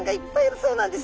そうなんです。